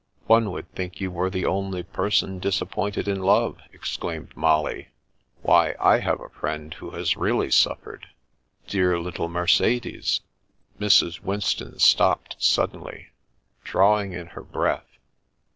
" One would think you were the only person dis appointed in love !" exclaimed Molly. " Why, I have a friend who has really suffered. Dear little Mercedes " Mrs. Winston stopped suddenly, drawing in her breath.